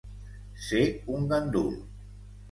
Ser un gandul.